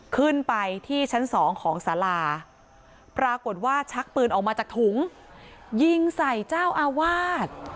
ขึ้นไปที่ชั้นสองของสาราปรากฏว่าชักปืนออกมาจากถุงยิงใส่เจ้าอาวาส